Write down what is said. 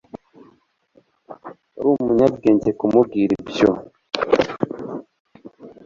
Wari umunyabwenge kumubwira ibyo